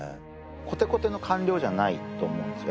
コテコテの官僚じゃないと思うんですよ